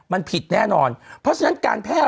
มันผิดแน่นอนเพราะฉะนั้นการแพทย์